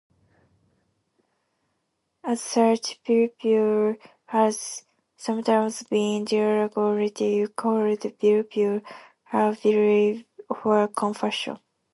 As such, "pilpul" has sometimes been derogatorily called "bilbul", Hebrew for "confusion".